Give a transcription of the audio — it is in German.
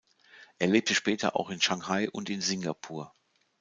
Er lebte später auch in Shanghai und in Singapur.